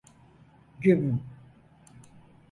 Güm!